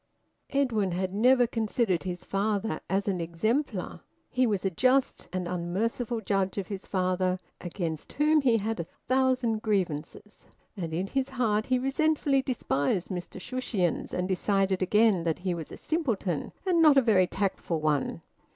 Edwin had never considered his father as an exemplar. He was a just and unmerciful judge of his father, against whom he had a thousand grievances. And in his heart he resentfully despised Mr Shushions, and decided again that he was a simpleton, and not a very tactful one.